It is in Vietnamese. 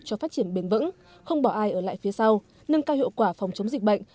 cho phát triển bền vững không bỏ ai ở lại phía sau nâng cao hiệu quả phòng chống dịch bệnh